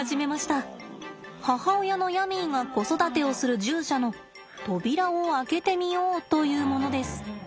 母親のヤミーが子育てをする獣舎の扉を開けてみようというものです。